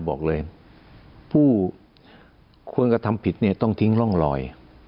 บอกเลยผู้ควรกระทำผิดเนี่ยต้องทิ้งร่องรอย